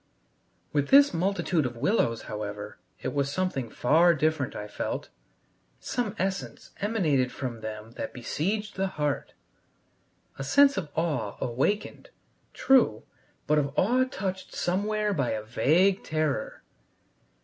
With this multitude of willows, however, it was something far different, I felt. Some essence emanated from them that besieged the heart. A sense of awe awakened, true, but of awe touched somewhere by a vague terror.